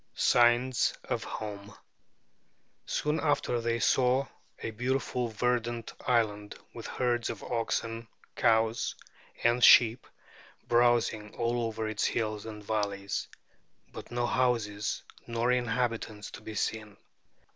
SIGNS OF HOME Soon after they saw a beautiful verdant island, with herds of oxen, cows, and sheep browsing all over its hills and valleys; but no houses nor inhabitants to be seen.